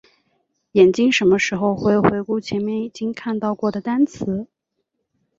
眼睛什么时候会回顾前面已经看到过的单词？